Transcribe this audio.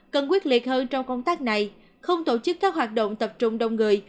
cần quyết liệt hơn trong công tác này không tổ chức các hoạt động tập trung đông người